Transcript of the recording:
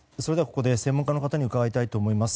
専門家の方に伺いたいと思います。